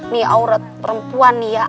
nih aurat perempuan ya